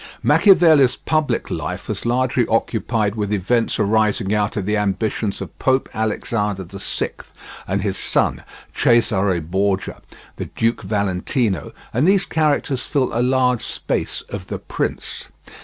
Machiavelli's public life was largely occupied with events arising out of the ambitions of Pope Alexander VI and his son, Cesare Borgia, the Duke Valentino, and these characters fill a large space of The Prince.